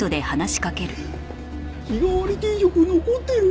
日替わり定食残ってる？